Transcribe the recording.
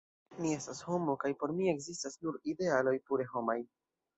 Mi estas homo, kaj por mi ekzistas nur idealoj pure homaj.